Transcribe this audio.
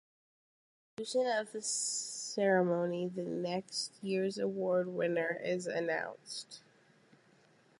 At the conclusion of the ceremony, the next year's award winner is announced.